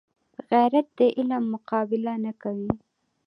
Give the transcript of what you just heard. غیرت د علم مقابله نه کوي